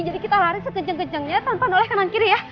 jadi kita lari segejeng gejengnya tanpa nolih kanan kiri ya